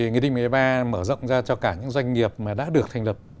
nghị định một mươi ba mở rộng ra cho cả những doanh nghiệp mà đã được thành lập